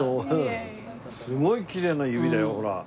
すごいきれいな指だよほら。